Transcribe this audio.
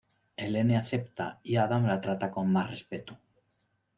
Helene acepta y Adam la trata con más respeto.